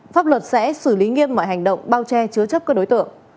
pháp luật sẽ xử lý nghiêm mọi hành động bao che chứa chấp các đối tượng